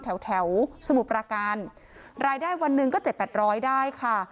แถวแถวสมุทรประการรายได้วันหนึ่งก็เจ็ดแปดร้อยได้ค่ะ